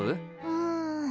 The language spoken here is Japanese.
うん。